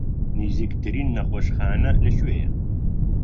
نزیکترین نەخۆشخانە لەکوێیە؟